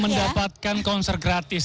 mendapatkan konser gratis